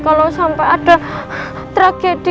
kalo sampai ada tragedi